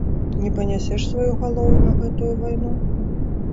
Не панясеш сваю галоў на гэтую вайну?